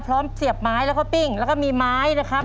เสียบไม้แล้วก็ปิ้งแล้วก็มีไม้นะครับ